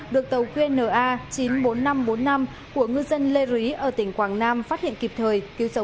được tàu quyên na chín mươi bốn nghìn năm trăm bốn mươi năm của ngư dân lê rí ở tỉnh quảng nam phát hiện kịp thời